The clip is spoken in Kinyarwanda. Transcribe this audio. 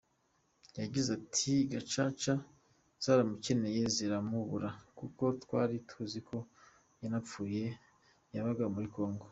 Yagize ati “Gacaca zaramukeneye ziramubura kuko twari tuzi ko yanapfuye, yabaga muri Congo.